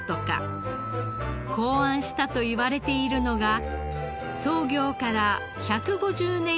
考案したといわれているのが創業から１５０年